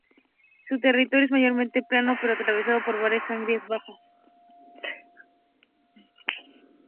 Su territorio es mayormente plano pero atravesado por varias serranías bajas.